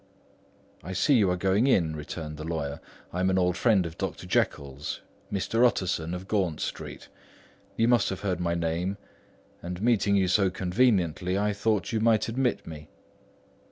"I see you are going in," returned the lawyer. "I am an old friend of Dr. Jekyll's—Mr. Utterson of Gaunt Street—you must have heard of my name; and meeting you so conveniently, I thought you might admit me."